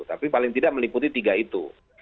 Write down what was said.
tapi paling tidak meliputi tiga itu